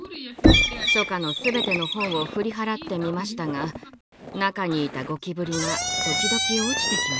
書架のすべての本を振り払ってみましたが中にいたゴキブリが時々落ちてきました。